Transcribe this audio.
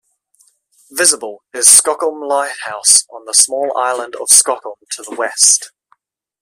Visible is Skokholm Lighthouse on the small island of Skokholm to the west.